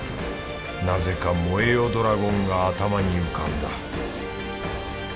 なぜか『燃えよドラゴン』が頭に浮かんだ。